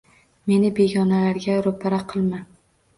Meni begonalarga ro‘para qilma